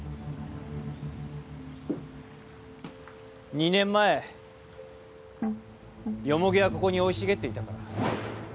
２年前ヨモギはここに生い茂っていたから。